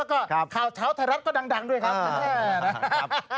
แล้วก็ข่าวเช้าไทยรัฐก็ดังด้วยครับ